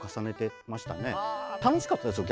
楽しかったですよ